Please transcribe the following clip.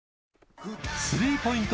スリーポイント